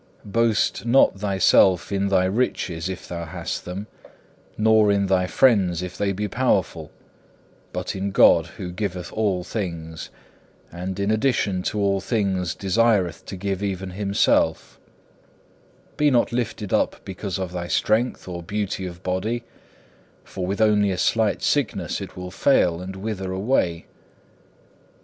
2. Boast not thyself in thy riches if thou hast them, nor in thy friends if they be powerful, but in God, who giveth all things, and in addition to all things desireth to give even Himself. Be not lifted up because of thy strength or beauty of body, for with only a slight sickness it will fail and wither away.